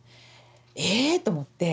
えっ⁉と思って。